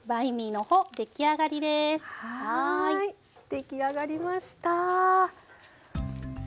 出来上がりました。